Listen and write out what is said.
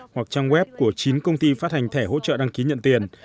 hoặc trang web của chín công ty phát hành thẻ hỗ trợ đăng ký nhận tiền